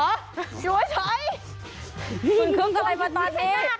โอ๊ยเฉยคุณเครื่องการรายประตาเทศ